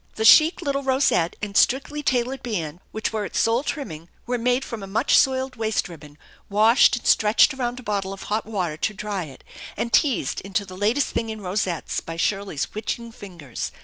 The chic little rosette and strictly tailored band which were its sole trimming were made from a much soiled waist ribbon, washed and stretched around a bottle of hot water to dry it, and teased into the latest thing in rosettes by Shirley's witching fingers.